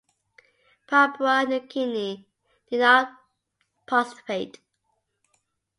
Papua New Guinea did not participate.